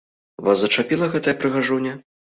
Вас зачапіла гэтая прыгажуня?